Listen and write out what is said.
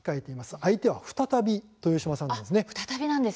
相手は再び豊島さんです。